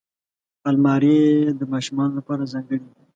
الماري د ماشومانو لپاره ځانګړې وي